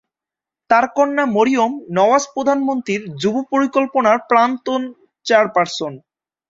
তার কন্যা মরিয়ম নওয়াজ প্রধানমন্ত্রীর যুব পরিকল্পনার প্রাক্তন চেয়ারপার্সন।